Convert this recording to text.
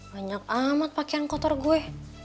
banyak amat pakaian kotor gue